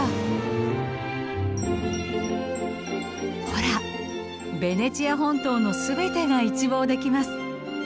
ほらベネチア本島の全てが一望できます。